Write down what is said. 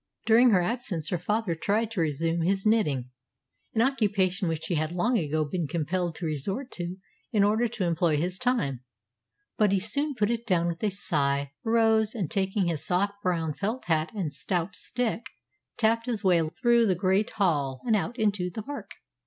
During her absence her father tried to resume his knitting an occupation which he had long ago been compelled to resort to in order to employ his time; but he soon put it down with a sigh, rose, and taking his soft brown felt hat and stout stick, tapped his way along through the great hall and out into the park.